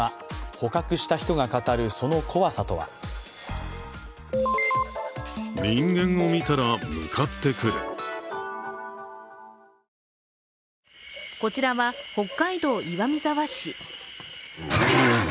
捕獲した人が語る、その怖さとはこちらは北海道岩見沢市。